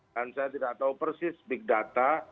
dan saya tidak tahu persis big data